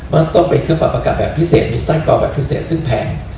มันต้องเป็นเครื่องปรับอากาศแบบพิเศษมีไส้กรอกแบบพิเศษซึ่งแพง